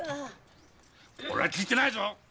俺は聞いてないぞ！